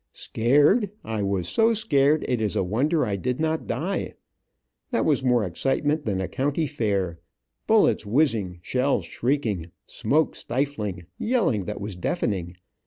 Scared! I was so scared it is a wonder I did not die. That was more excitement than a county fair. Bullets whizzing, shells shrieking, smoke stifling, yelling that was deafening.